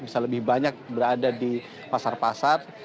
bisa lebih banyak berada di pasar pasar